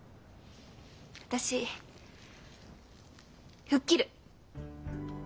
私吹っ切る。